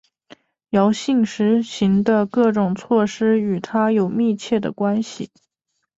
姚兴实行的各项措施与他有密切的关系。